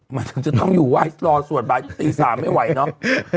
มันถึงจะต้องอยู่ไหว้รอสวดบ่ายตี๓ไม่ไหวเนอะ